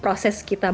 proses kita bahwa